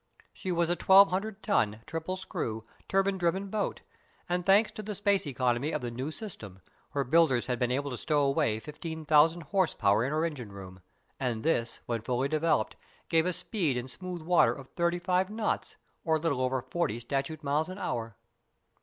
She was a twelve hundred ton, triple screw, turbine driven boat, and, thanks to the space economy of the new system, her builders had been able to stow away fifteen thousand horse power in her engine room, and this when fully developed gave a speed in smooth water of thirty five knots or a little over forty statute miles an hour.